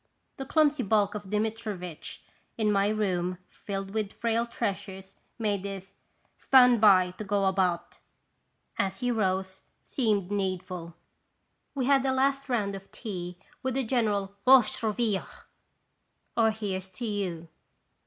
The clumsy bulk of Dmitrivitch, in my room filled with frail treasures, made his " Stand by to go about! " as he rose, seem needful. We had a last round of tea with a general "Vosh durrivia!" (Here 's to you